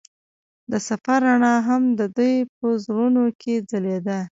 د سفر رڼا هم د دوی په زړونو کې ځلېده.